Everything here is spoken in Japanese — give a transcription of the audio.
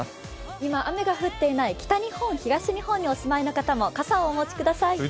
今雨が降っていない北日本、東日本にお住みの方も傘をお持ちください。